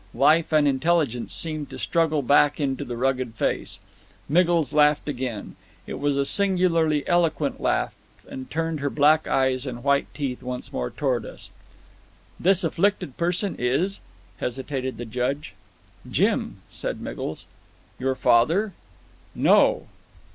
Life and intelligence seemed to struggle back into the rugged face. Miggles laughed again it was a singularly eloquent laugh and turned her black eyes and white teeth once more toward us. "This afflicted person is " hesitated the Judge. "Jim," said Miggles. "Your father?" "No."